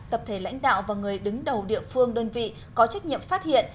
tập thể lãnh đạo và người đứng đầu địa phương đơn vị có trách nhiệm phát hiện